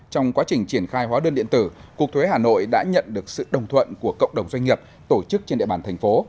trong quá trình triển khai hóa đơn điện tử cục thuế hà nội đã nhận được sự đồng thuận của cộng đồng doanh nghiệp tổ chức trên địa bàn thành phố